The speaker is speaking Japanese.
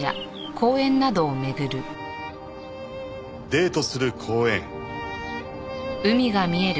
デートする公園。